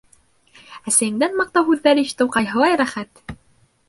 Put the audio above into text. «Әсәйеңдән маҡтау һүҙҙәре ишетеү ҡайһылай рәхәт!»